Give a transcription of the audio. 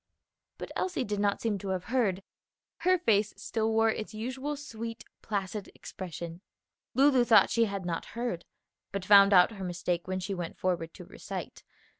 But Elsie did not seem to have heard; her face still wore its usual sweet, placid expression. Lulu thought she had not heard, but found out her mistake when she went forward to recite.